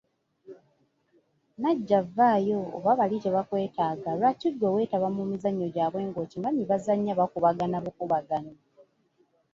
Najja vvaayo oba bali tebakwetaaga, lwaki ggwe weetaba mu mizannyo gyabwe ng'okimanyi bazannya bakubagana bukubaganyi.